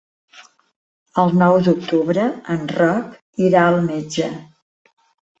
El nou d'octubre en Roc irà al metge.